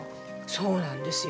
そうなんですよ